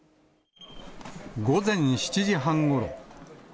午前７時半ごろ。